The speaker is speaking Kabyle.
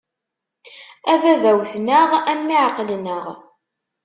A baba wwten-aɣ, a mmi ɛeqlen-aɣ.